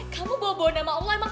kamu bawa nama allah emang kamu sholat